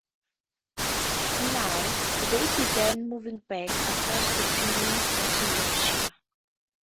Now, they began moving back across the Pennines into Yorkshire.